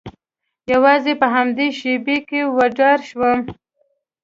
یوازې په همدې شیبې کې وډار شوم